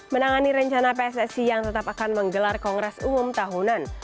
menangani rencana pssi yang tetap akan menggelar kongres umum tahunan